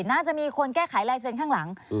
น่าจะมีคนแก้ไขลายเซ็นต์ข้างหลัง